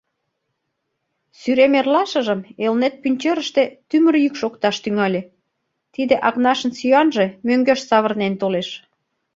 Сӱрем эрлашыжым Элнет пӱнчерыште тӱмыр йӱк шокташ тӱҥале, тиде Акнашын сӱанже мӧҥгеш савырнен толеш.